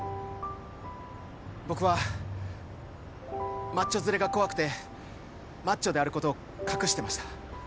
僕はマッチョズレが怖くてマッチョであることを隠してました。